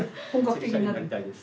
正社員になりたいです。